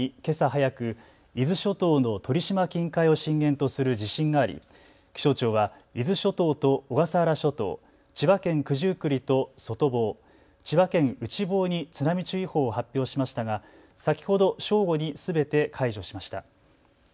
早く伊豆諸島の鳥島近海を震源とする地震があり気象庁は伊豆諸島と小笠原諸島、千葉県九十九里と外房、千葉県内房に津波注意報を発表しましたが先ほど正午にすべて解除しました。